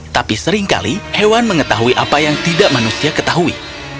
tapi seringkali hewan mengetahui apa yang tidak manusia ketahui